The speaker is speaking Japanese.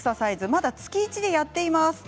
まだ月１でやっています。